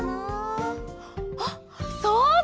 あっそうだ！